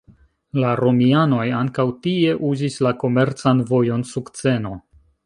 La romianoj ankaŭ tie uzis la komercan vojon "Sukceno".